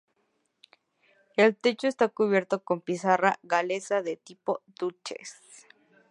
El techo está cubierto con pizarra galesa del tipo Dutchess.